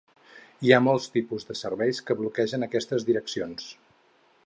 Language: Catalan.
Hi ha molts tipus de serveis que bloquegen aquestes direccions.